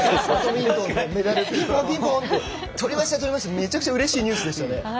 めちゃくちゃうれしいニュースでしたね。